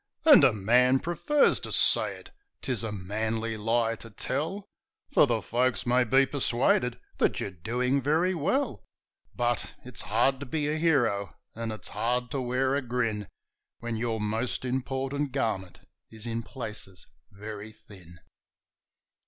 And a man prefers to say it 'tis a manly lie to tell, For the folks may be persuaded that you're doing very well ; But it's hard to be a hero, and it's hard to wear a grin, When your most important garment is in places very thin.